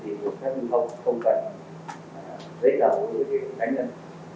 thì thuốc sẽ lưu thông không cần giấy đờ của các cá nhân